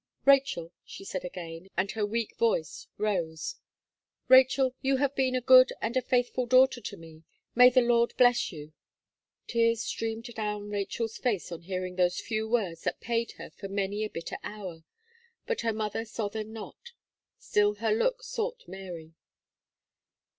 "Rachel," she said again, and her weak voice rose, "Rachel, you have been a good and a faithful daughter to me may the Lord bless you!" Tears streamed down Rachel's face on hearing those few words that paid her for many a bitter hour; but her mother saw them not, still her look sought Mary.